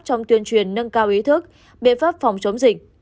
trong tuyên truyền nâng cao ý thức biện pháp phòng chống dịch